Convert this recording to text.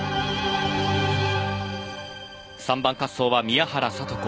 ３番滑走は宮原知子。